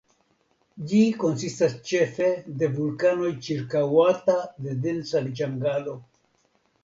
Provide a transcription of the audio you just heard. Ĝi konsistas ĉefe de vulkanoj ĉirkaŭata de densa ĝangalo.